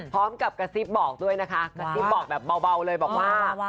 พร้อมกับกระซิบบอกด้วยนะคะกระซิบบอกแบบเบาเลยบอกว่า